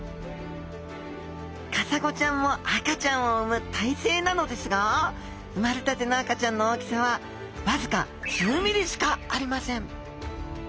カサゴちゃんも赤ちゃんを産む胎生なのですが生まれたての赤ちゃんの大きさは僅か数ｍｍしかありません